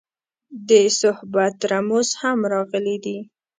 د صحبت رموز هم راغلي دي.